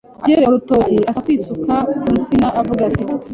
” ageze mu rutoki asa kuisuka ku nsina avuga ati: